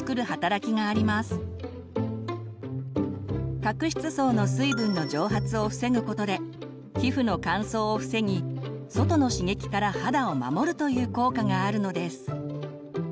角質層の水分の蒸発を防ぐことで皮膚の乾燥を防ぎ外の刺激から肌を守るという効果があるのです。